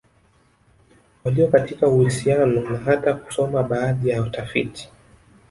Walio katika uhusiano na hata kusoma baadhi ya tafiti